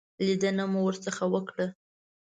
لیدنه مو ورڅخه وکړه.